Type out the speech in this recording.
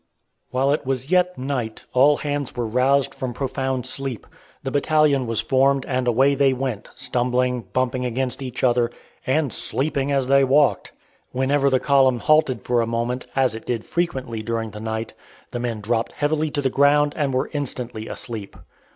While it was yet night all hands were roused from profound sleep; the battalion was formed, and away they went, stumbling, bumping against each other, and sleeping as they walked. Whenever the column halted for a moment, as it did frequently during the night, the men dropped heavily to the ground and were instantly asleep.